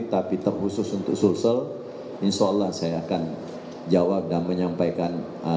tapi terkhusus untuk sulsel insya allah saya akan jawab dan menyampaikan